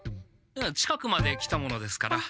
近くまで来たものですから。